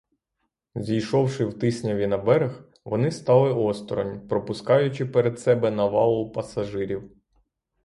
Зійшовши в тисняві на берег, вони стали осторонь, пропускаючи перед себе навалу пасажирів.